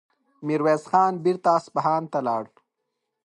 ميرويس خان بېرته اصفهان ته لاړ.